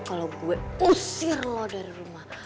kalau gue pusir lo dari rumah